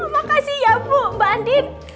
makasih ya bu mbak andin